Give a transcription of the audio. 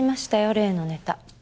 例のネタ。